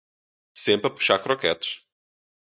Sempre a puxar croquetes!